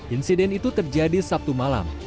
insiden itu terjadi sabtu malam